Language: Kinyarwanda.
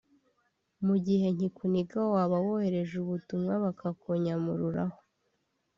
mu gihe nkikuniga waba wohereje ubutumwa bakakunyamururaho